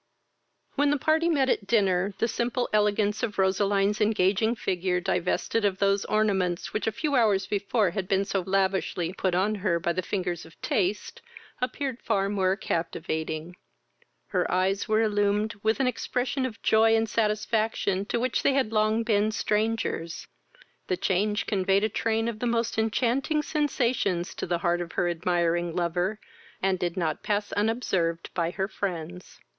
VI. When the party met at dinner, the simple elegance of Roseline's engaging figure, divested of those ornaments which a few hours before had been so lavishly put on her by the fingers of taste, appeared far more captivating: her eyes were illumined with an expression of joy and satisfaction to which they had long been strangers; the change conveyed a train of the most enchanting sensations to the heart of her admiring lover, and did not pass unobserved by her friends.